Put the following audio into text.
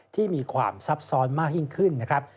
ที่มีความซับซ้อนมากยิ่งขึ้นนะครับ